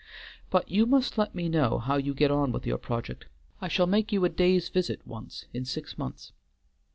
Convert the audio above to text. But you must let me know how you get on with your project; I shall make you a day's visit once in six months."